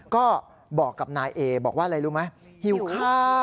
ก็บอกกับนายเอบอกว่าอะไรรู้ไหม